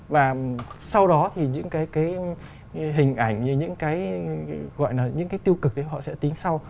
và sau đó thì những cái hình ảnh những cái gọi là những cái tiêu cực ấy họ sẽ tính sau